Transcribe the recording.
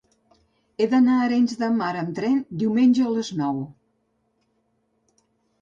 He d'anar a Arenys de Mar amb tren diumenge a les nou.